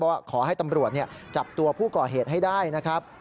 ว่าขอให้ตำรวจจับตัวผู้ก่อเหตุให้ได้นะครับ